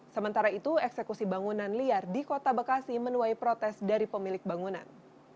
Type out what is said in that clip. sementara itu eksekusi bangunan liar di kota bekasi menuai protes dari pemilik bangunan